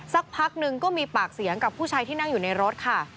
สักพักนึงก็มีปากเสียงกับผู้ชายที่นั่งอยู่ในรถค่ะ